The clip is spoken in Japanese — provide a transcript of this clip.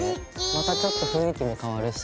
またちょっと雰囲気も変わるし。